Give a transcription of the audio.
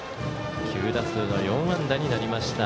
９打数の４安打になりました。